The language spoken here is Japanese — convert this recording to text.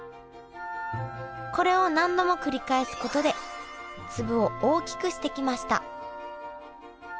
これを何度も繰り返すことで粒を大きくしてきました。